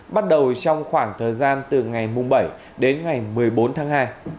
bắt đầu trong khoảng thời gian từ ngày bảy đến ngày một mươi bốn tháng hai